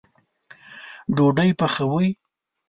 ډوډۍ پخوئ